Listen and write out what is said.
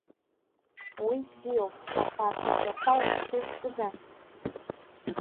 Уи бзиоуп, аха арҭ аҳәақәа узцу зтәыда?